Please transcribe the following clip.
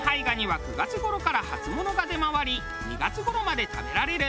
蟹は９月頃から初物が出回り２月頃まで食べられる。